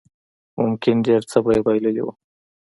ممکن ډېر څه به يې بايللي وو.